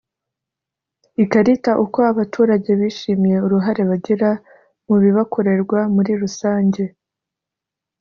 Ikarita uko abaturage bishimiye uruhare bagira mu bibakorerwa muri rusange